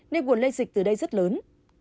nên nguồn lây dịch từ đây rất lớn